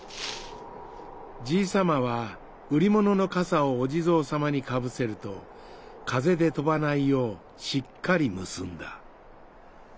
じいさまはうりもののかさをおじぞうさまにかぶせるとかぜでとばないようしっかりむすんだ。